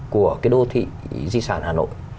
của cái đô thị di sản hà nội